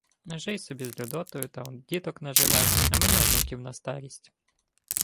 — Жий собі з Людотою та діток наживай, а мені онуків на старість.